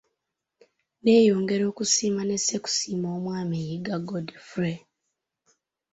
Neeyongera okusiima ne ssekusiima omwami Yiga Godfrey.